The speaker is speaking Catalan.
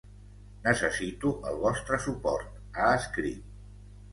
Necessito el vostre suport, ha escrit.